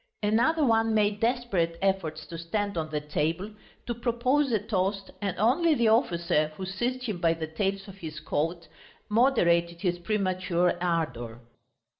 Another one made desperate efforts to stand on the table, to propose a toast, and only the officer, who seized him by the tails of his coat, moderated his premature ardour.